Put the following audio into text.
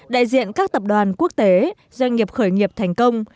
đại diện các tập đoàn quốc tế doanh nghiệp khởi nghiệp thành công